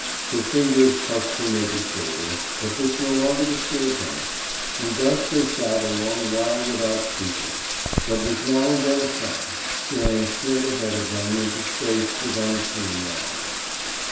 His fingers touched her naked shoulder, but this no longer disturbed him. And thus they sat a long while without speaking, but with now and then a sigh, staring straight ahead of them into space with unseeing eyes.